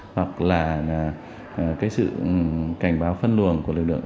hoặc là sự cảnh báo phân luồng